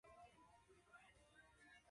He became an imperial advisor.